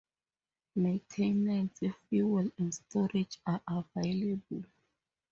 Maintenance, fuel and storage are available.